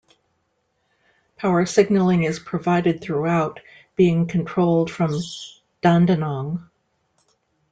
Power signalling is provided throughout, being controlled from Dandenong.